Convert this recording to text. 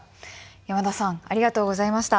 山田さんありがとうございました。